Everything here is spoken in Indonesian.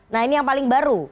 nah ini yang paling baru